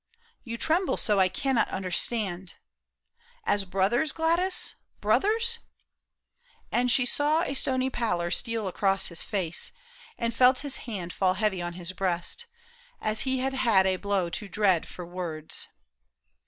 You tremble so I cannot understand — As brothers, Gladys, brothers ?" And she sav\^ A stony pallor steal across his face. And felt his hand fall heavy on his breast As he had had a blow too dread for words.